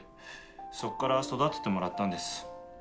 そこから育ててもらったんです。